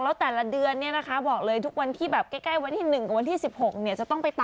แล้วแต่นเดือนเนี่ยนะคะบอกเลยทุกวันที่แบบใกล้วันที่๑แล้ววันที่๑๖เนี่ย